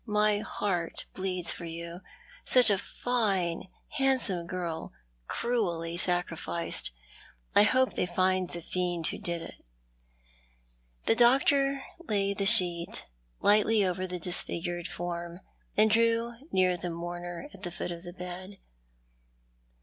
My heart bleeds for you. Such a fine, handsoine girl — cruelly sacrificed. I hope they'll fiud the tiend who did it." The doctor laid the sheet lightly over the disfigured form, and drew near the mourner at the foot of the bed.